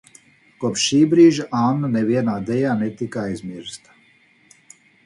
Kopš šī brīža Anna nevienā dejā netika aizmirsta.